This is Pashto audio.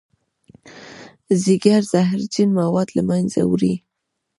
ځیګر زهرجن مواد له منځه وړي